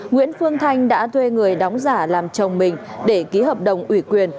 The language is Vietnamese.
nguyễn phương thanh đã thuê người đóng giả làm chồng mình để ký hợp đồng ủy quyền